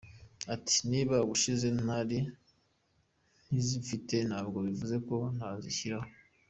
Ati “Niba ubushize ntari nzifite ntabwo bivuze ko ntazishyiraho.